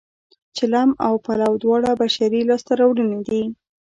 چلم او پلاو دواړه بشري لاسته راوړنې دي